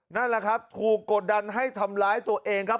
นั่นแหละครับถูกกดดันให้ทำร้ายตัวเองครับ